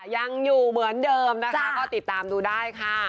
ยังอยู่เหมือนเดิมนะคะก็ติดตามดูได้ค่ะ